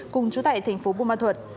cùng chú tại tp bù mà thuật